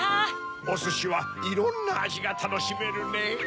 おすしはいろんなあじがたのしめるねぇ。